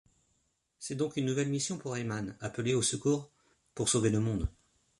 C'est donc une nouvelle mission pour Rayman, appelé au secours pour sauver le monde.